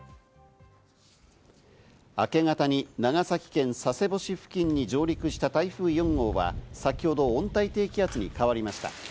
明け方に長崎県佐世保市付近に上陸した台風４号は、先ほど温帯低気圧に変わりました。